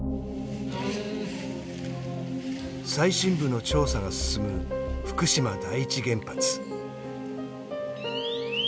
最深部の調査が進む福島第一原発。